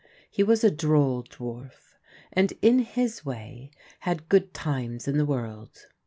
He was a droll dwarf, and, in his way, had good times in the world.